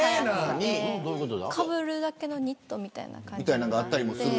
かぶるだけのニットみたいな感じのがあって。